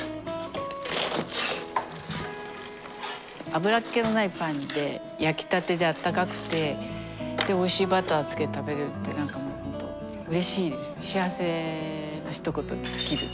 あぶらっ気のないパンで焼きたてであったかくておいしいバターつけて食べれるってなんかもうほんとうれしいですよ。